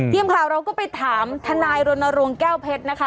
ทีมข่าวเราก็ไปถามทนายรณรงค์แก้วเพชรนะคะ